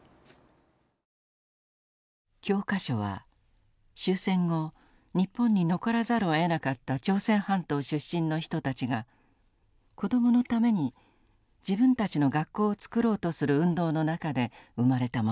教科書は終戦後日本に残らざるをえなかった朝鮮半島出身の人たちが子供のために自分たちの学校をつくろうとする運動の中で生まれたものでした。